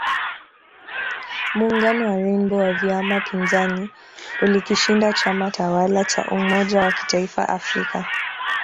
Muungano wa Rainbow wa vyama pinzani ulikishinda chama tawala cha umoja wa kitaifa Afrika